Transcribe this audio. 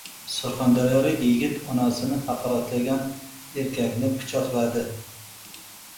Surxondaryolik yigit onasini haqoratlagan erkakni pichoqladi